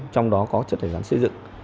trong đó có chất thải rắn xây dựng